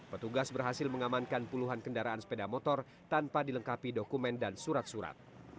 petugas berhasil mengamankan puluhan kendaraan sepeda motor tanpa dilengkapi dokumen dan surat surat